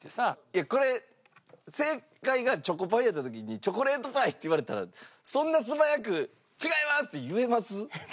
いやこれ正解がチョコパイやった時に「チョコレートパイ」って言われたらそんな素早く「違います」って言えます？